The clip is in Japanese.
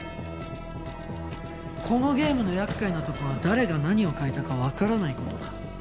このゲームの厄介なとこは誰が何を書いたかわからない事だ。